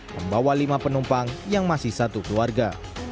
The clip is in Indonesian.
membawa lima penumpang yang masih satu keluarga